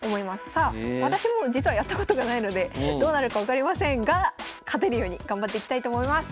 さあ私も実はやったことがないのでどうなるか分かりませんが勝てるように頑張っていきたいと思います。